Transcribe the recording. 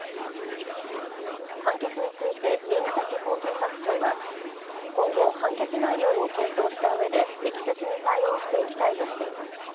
判決について新潟地方検察庁は今後、判決内容を検討したうえで適切に対応していきたいとしています。